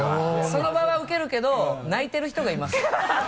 その場はウケるけど泣いてる人がいますね。